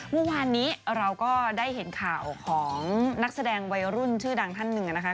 เมื่อวานนี้เราก็ได้เห็นข่าวของนักแสดงวัยรุ่นชื่อดังท่านหนึ่งนะคะ